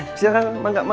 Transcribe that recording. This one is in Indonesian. cilok cihoyama lima ratusan